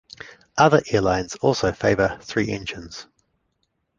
Other airlines also favored three engines.